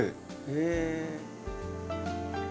へえ。